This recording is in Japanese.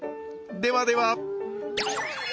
ではでは！